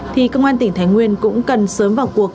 thì các ngoan tỉnh thái nguyên cũng cần sớm vào cuộc